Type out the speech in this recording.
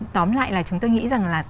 tóm lại là chúng ta nghĩ rằng là